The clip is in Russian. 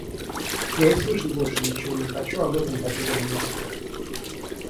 Я и слышать больше ничего не хочу об этом потерянном носке!